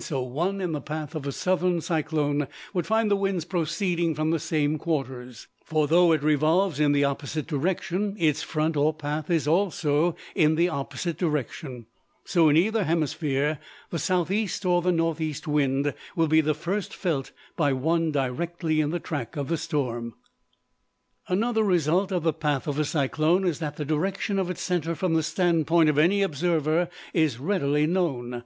So one in the path of a southern cyclone would find the winds proceeding from the same quarters; for though it revolves in the opposite direction, its front or path is also in the opposite direction; so in either hemisphere, the southeast or the northeast wind will be the first felt by one directly in the track of the storm. [Illustration: ROTATION OF STORMS.] Another result of the path of a cyclone is that the direction of its center from the stand point of any observer is readily known.